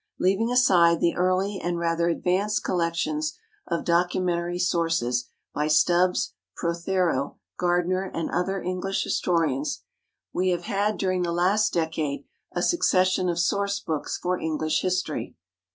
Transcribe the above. Leaving aside the early and rather advanced collections of documentary sources by Stubbs, Prothero, Gardiner and other English historians, we have had during the last decade a succession of source books for English history.